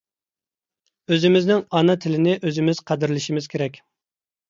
ئۆزىمىزنىڭ ئانا تىلىنى ئۆزىمىز قەدىرلىشىمىز كېرەك.